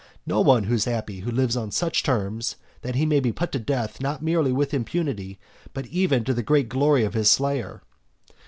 No one is happy who lives on such terms that he may be put to death not merely with impunity, but even to the great glory of his slayer.